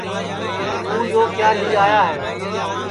توں یو کیا لی آیا ہے